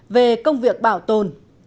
về công việc bảo tồn